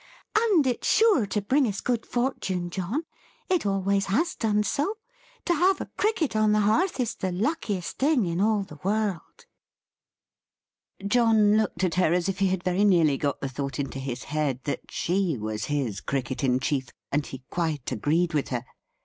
"And it's sure to bring us good fortune, John! It always has done so. To have a Cricket on the Hearth, is the luckiest thing in all the world!" John looked at her as if he had very nearly got the thought into his head, that she was his Cricket in chief, and he quite agreed with her.